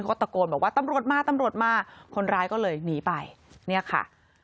เขาตะโกนบอกว่าตำรวจมาตำรวจมาคนร้ายก็เลยหนีไปเนี่ยค่ะ